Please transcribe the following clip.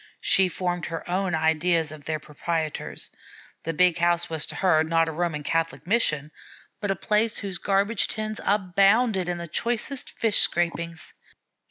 She formed her own ideas of their proprietors. The big house was to her, not a Roman Catholic mission, but a place whose garbage tins abounded in choicest fish scrapings.